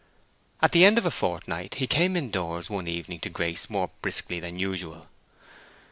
At the end of a fortnight he came in doors one evening to Grace more briskly than usual.